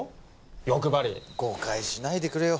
欲張り誤解しないでくれよ